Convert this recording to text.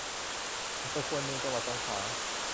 อำเภอควนเนียง จังหวัดสงขลา